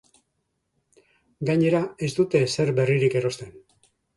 Gainera, ez dute ezer berririk erosten.